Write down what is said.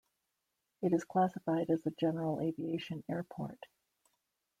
It is classified as a general aviation airport.